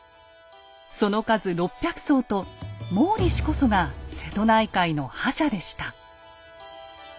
その数６００艘と毛利氏こそが瀬戸内海の覇者でした。